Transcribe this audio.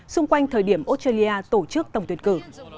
xung quanh thời điểm australia tổ chức tổng tuyển cử